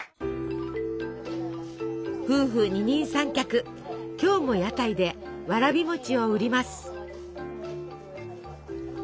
夫婦二人三脚今日も屋台でわらび餅を売ります。